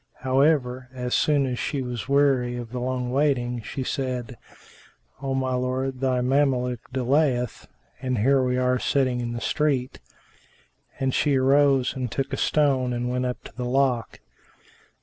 However, as soon as she was weary of long waiting, she said, "O my lord, thy Mameluke delayeth; and here are we sitting in the street;" and she arose and took a stone and went up to the lock.